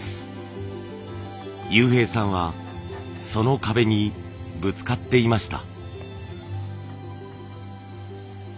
悠平さんはその壁にぶつかっていました。